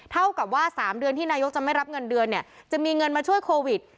เท่ากับว่า๓เดือนที่นายกจะไม่รับเงินเดือนเนี่ยจะมีเงินมาช่วยโควิด